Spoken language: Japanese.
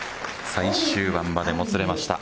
最終盤まで、もつれました。